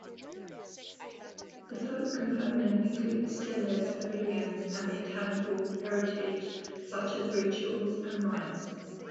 The folk component includes steles, pavilions, and intangible heritage such as rituals and rites.